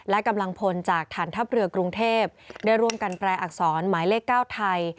และกำลังพลจากฐานทัพเรือกรุงเทพได้ร่วมกันแปลอักษรหมายเลข๙ไทย